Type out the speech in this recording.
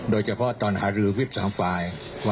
โดยเฉพาะตอนหารือวิบ๓ฝ่าย